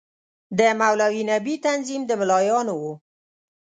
د مولوي نبي تنظیم د ملايانو وو.